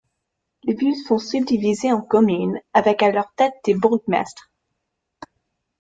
Les villes sont subdivisées en communes, avec à leur tête des bourgmestres.